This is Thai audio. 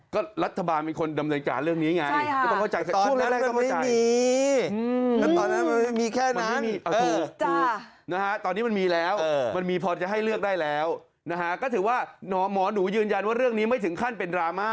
ก็รัฐบาลเป็นคนดำเนินการเรื่องนี้ไง